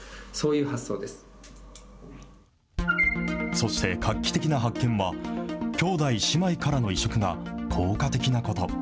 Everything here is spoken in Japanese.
そして、画期的な発見は兄弟、姉妹からの移植が効果的なこと。